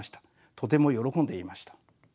とても喜んでいました。